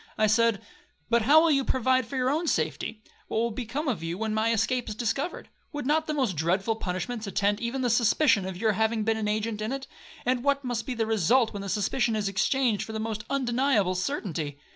I said, 'But how will you provide for your own safety? What will become of you when my escape is discovered? Would not the most dreadful punishments attend even the suspicion of your having been an agent in it, and what must be the result when that suspicion is exchanged for the most undeniable certainty?'